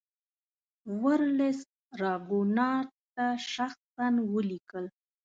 ورلسټ راګونات ته شخصا ولیکل.